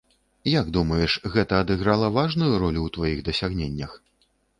Як думаеш, гэта адыграла важную ролю ў тваіх дасягненнях?